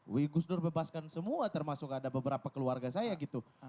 wi gus dur bebaskan semua termasuk ada beberapa keluarga saya gitu